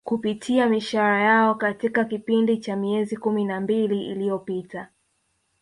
kupitia mishahara yao katika kipindi cha miezi kumi na mbili iliopita